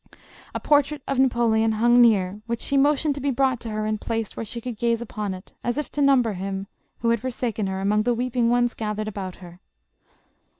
A portrait of Napoleon hung near, which she motioned to be brought to her and placed where she could gaze upon it, as if to number him, who had forsaken her, among the weeping ones gathered about her.